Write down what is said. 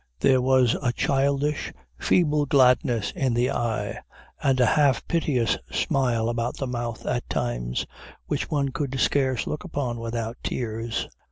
There was a childish, feeble gladness in the eye, and a half piteous smile about the mouth at times, which one could scarce look upon without tears.